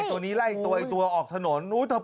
ตัวนี้ไล่ตัวตัวอีกตัวออกถนนเธอปิดหน้าเลย